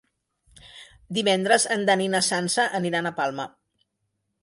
Divendres en Dan i na Sança aniran a Palma.